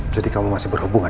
jadi kamu masih berhubungan